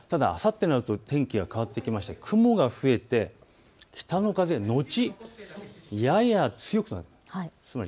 ただ、あさってになると天気が変わってきて雲が増えて北の風後やや強くなる。